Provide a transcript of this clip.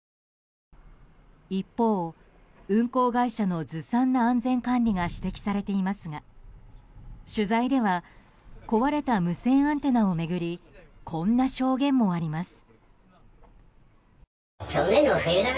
一方、運航会社のずさんな安全管理が指摘されていますが取材では壊れた無線アンテナを巡りこんな証言もあります。